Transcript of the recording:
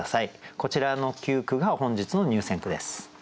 こちらの９句が本日の入選句です。